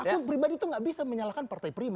aku pribadi tuh gak bisa menyalahkan partai prima